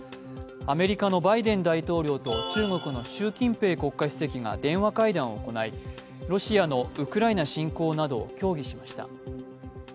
アメリカのバイデン大統領と中国の習近平国家主席が電話会談を行いロシアのウクライナ侵攻などを協議しました。